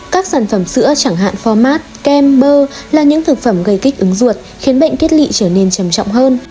các sản phẩm sữa chẳng hạn format kem bơ là những thực phẩm gây kích ứng ruột khiến bệnh thiết bị trở nên trầm trọng hơn